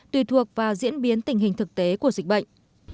tùy thuộc vào diễn biến tình hình thực tế của dịch bệnh